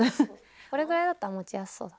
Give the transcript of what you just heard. これぐらいだったら持ちやすそう。